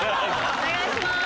お願いします。